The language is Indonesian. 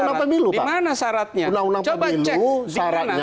di mana syaratnya coba cek